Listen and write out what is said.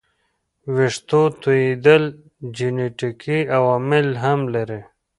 ویښتو توېیدل جنیټیکي عوامل هم لري.